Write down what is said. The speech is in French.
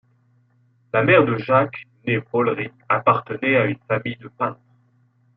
La mère de Jacques née Baullery, appartenait à une famille de peintres.